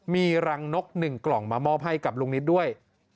มีรังนก๑กล่องมามอบให้กับลุงนิตด้วย